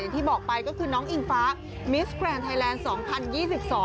ที่บอกไปก็คือน้องอิงฟ้ามิสแกรนดไทยแลนด์๒๐๒๒